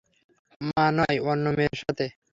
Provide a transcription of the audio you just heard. মা নয়, অন্য মেয়ের সাথে।